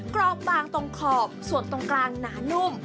กรอบบางตรงขอบส่วนตรงกลางหนานุ่ม